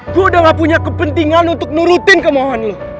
gue udah gak punya kepentingan untuk nurutin kemohon lo